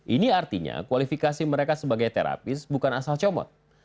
ini artinya kualifikasi mereka sebagai terapis bukan asal comot